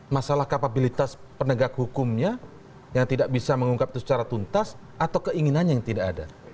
masalah kapabilitas penegak hukumnya yang tidak bisa mengungkap itu secara tuntas atau keinginannya yang tidak ada